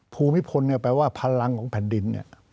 ภูมิพลแปลว่าพลังของแผ่นดิน